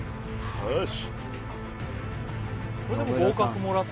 よし